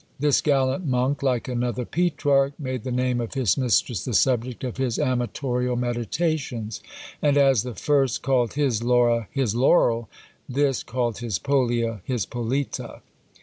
This gallant monk, like another Petrarch, made the name of his mistress the subject of his amatorial meditations; and as the first called his Laura, his Laurel, this called his Polia, his Polita.